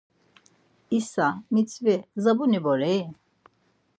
İsa mitzvi, zabuni bore-i!